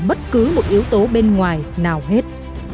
bất cứ một yếu tố bên ngoài nào hết